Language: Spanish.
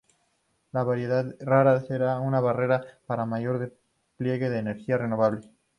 La variabilidad rara vez será una barrera para un mayor despliegue de energía renovable.